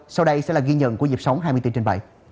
sau đây sẽ là ghi nhận của dịp sống hai mươi bốn trên bảy